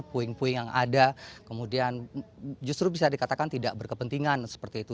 puing puing yang ada kemudian justru bisa dikatakan tidak berkepentingan seperti itu